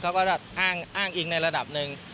เขาก็จะอ้างอิงในระดับหนึ่ง